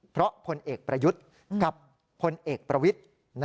เพราะพลเอกประยุทธ์กับพลเอกประวิทธิ์